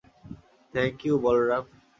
Thank you, Balaram.